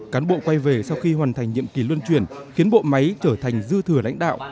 cán bộ quay về sau khi hoàn thành nhiệm kỳ luân chuyển khiến bộ máy trở thành dư thừa lãnh đạo